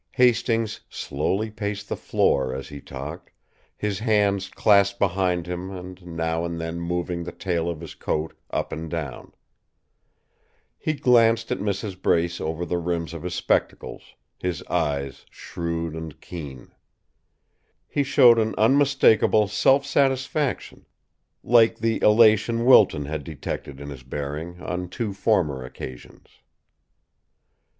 Hastings slowly paced the floor as he talked, his hands clasped behind him and now and then moving the tail of his coat up and down. He glanced at Mrs. Brace over the rims of his spectacles, his eyes shrewd and keen. He showed an unmistakable self satisfaction, like the elation Wilton had detected in his bearing on two former occasions.